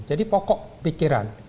jadi pokok pikiran